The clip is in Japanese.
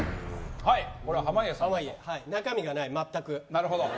中身がない、全く。